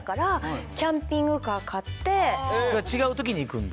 違う時に行くんだ？